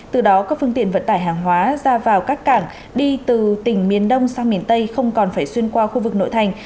từ đó các phương tiện vận tải hàng hóa ra vào các cảng đi từ tỉnh miền đông sang miền tây không còn phải xuyên qua khu vực nội thành